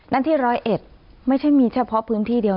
ที่ร้อยเอ็ดไม่ใช่มีเฉพาะพื้นที่เดียว